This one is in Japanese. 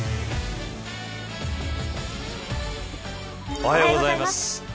おはようございます。